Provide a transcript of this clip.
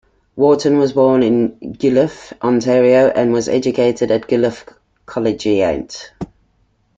Worton was born in Guelph, Ontario, and was educated at Guelph Collegiate.